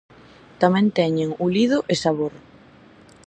Tamén teñen ulido e sabor.